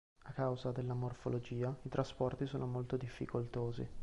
A causa delle morfologia, i trasporti sono molto difficoltosi.